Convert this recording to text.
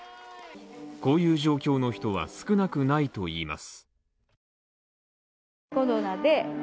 こういう状況の人は少なくないといいます。